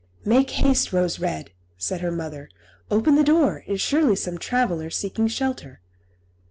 "Make haste, Rose Red!" said her mother; "open the door; it is surely some traveller seeking shelter."